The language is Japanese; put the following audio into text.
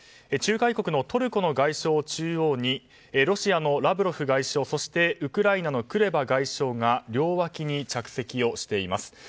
仲介国のトルコの外相を中央にロシアのラブロフ外相そしてウクライナのクレバ外相が両脇に着席をしています。